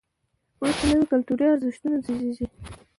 وروسته نوي کلتوري ارزښتونه زیږېږي.